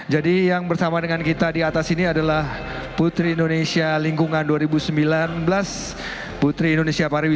jadi yang bersama dengan kita di atas ini adalah putri indonesia lingkungan dua ribu sembilan belas